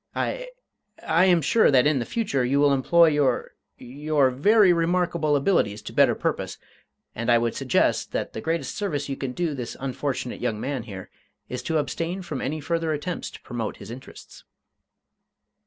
I I am sure that, in the future, you will employ your your very remarkable abilities to better purpose, and I would suggest that the greatest service you can do this unfortunate young man here is to abstain from any further attempts to promote his interests."